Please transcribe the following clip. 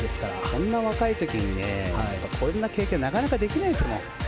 こんな若い時にこんな経験なかなかできないですもん。